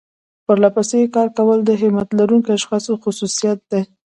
پرلپسې کار کول د همت لرونکو اشخاصو خصوصيت دی.